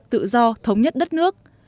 tự do thống nhất đất nước